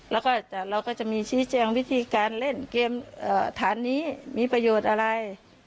แล้วก็เราก็จะมีชี้แจงวิธีการเล่นเกมฐานนี้มีประโยชน์อะไร